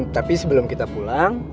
tapi sebelum kita pulang